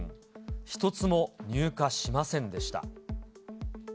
ひとつも入荷しませんでした。